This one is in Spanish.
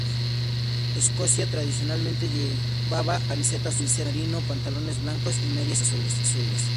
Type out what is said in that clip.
Escocia tradicionalmente llevaba camiseta azul marino, pantalones blancos y medias azules.